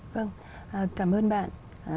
vâng cảm ơn bạn